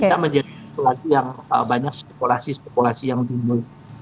kita menjadi satu lagi yang banyak spekulasi spekulasi yang timbul